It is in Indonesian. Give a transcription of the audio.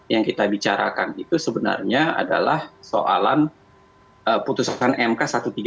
yang kita bicarakan itu sebenarnya adalah soalan putusan mk satu ratus tiga puluh delapan dua ribu sembilan